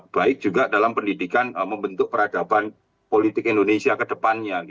baik juga dalam pendidikan membentuk peradaban politik indonesia ke depannya